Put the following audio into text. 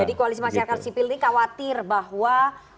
jadi koalisi masyarakat sipil ini khawatir bahwa